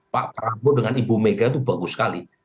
pak prabowo dengan ibu mega itu bagus sekali